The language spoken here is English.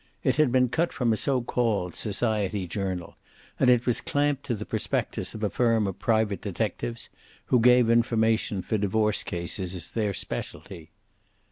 It had been cut from a so called society journal, and it was clamped to the prospectus of a firm of private detectives who gave information for divorce cases as their specialty.